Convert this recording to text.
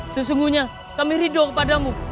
sesungguhnya kami ridul kepadamu